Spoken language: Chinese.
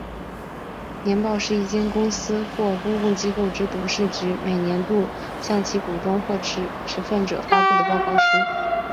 年报是一间公司或公共机构之董事局每年度向其股东或持份者发布的报告书。